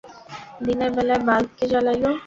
দিনের বেলায় বাল্ব কে জ্বালাইলো?